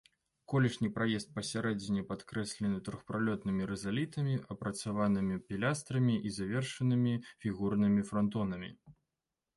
Колішні праезд пасярэдзіне падкрэслены трохпралётнымі рызалітамі, апрацаванымі пілястрамі і завершанымі фігурнымі франтонамі.